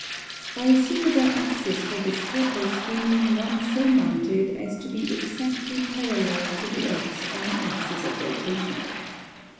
By a suitable axis for this purpose we mean one so mounted as to be exactly parallel to the earth's own axis of rotation.